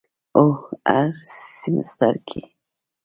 هو، هر سیمیستر کی